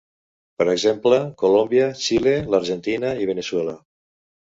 Per exemple Colòmbia, Xile, l'Argentina i Veneçuela.